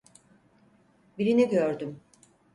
Birini gördüm.